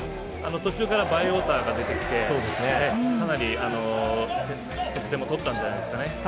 途中からバイウォーターが出てきて、かなり得点も取ったんじゃないですかね。